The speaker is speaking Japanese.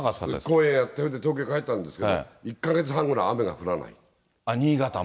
公演やって東京帰ったんですけど、１か月半ぐらい雨が降らな新潟も。